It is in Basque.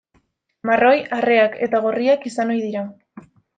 Marroi, arreak eta gorriak izan ohi dira.